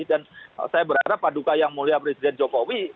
dan saya berharap paduka yang mulia presiden jokowi